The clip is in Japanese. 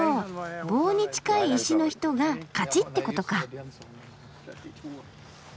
棒に近い石の人が勝ちってことか。